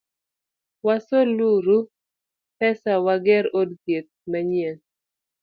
Wasol uru pesa wager od thieth manyien.